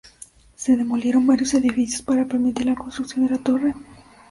Se demolieron varios edificios para permitir la construcción de la torre.